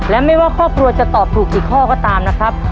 และไม่ว่าครอบครัวจะตอบถูกกี่ข้อก็ตามนะครับ